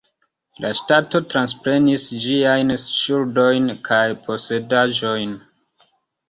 La ŝtato transprenis ĝiajn ŝuldojn kaj posedaĵojn.